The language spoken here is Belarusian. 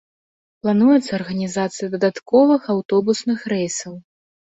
Плануецца арганізацыя дадатковых аўтобусных рэйсаў.